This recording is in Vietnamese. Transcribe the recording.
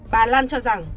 bà lan cho rằng